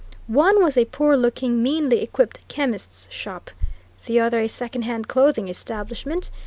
One was a poor looking, meanly equipped chemist's shop; the other a second hand clothing establishment.